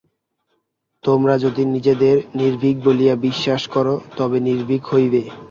তোমরা যদি নিজেদের নির্ভীক বলিয়া বিশ্বাস কর, তবে নির্ভীক হইবে।